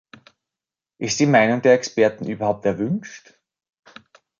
Ist die Meinung der Experten überhaupt erwünscht?